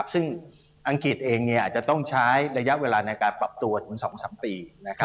ซึ่งอังกฤษเองอาจจะต้องใช้ระยะเวลาในการปรับตัวถึง๒๓ปี